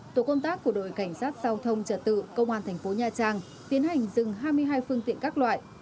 tổ công tác của đội cảnh sát giao thông trở tự công an thành phố nha trang tiến hành dừng hai mươi hai phương tiện các loại